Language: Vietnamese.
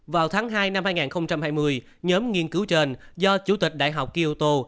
vào tháng hai năm hai nghìn hai mươi nhóm nghiên cứu trên do chủ tịch đại học kioto